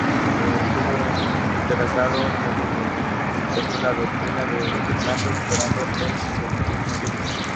Estuvo interesado en revitalizar la doctrina de Platón superando el escepticismo.